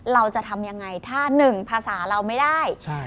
เราจะทำยังไงถ้าหนึ่งภาษาเราไม่ได้